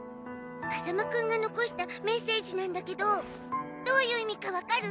風間くんが残したメッセージなんだけどどういう意味かわかる？